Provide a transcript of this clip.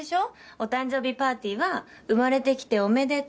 お誕生日パーティーは「生まれてきておめでとう」